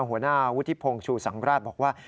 หัวหน้าวุฒิพงศ์ชูสังราชบอกว่า